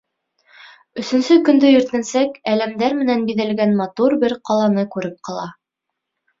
Өсөнсө көндө иртәнсәк әләмдәр менән биҙәлгән матур бер ҡаланы күреп ҡала.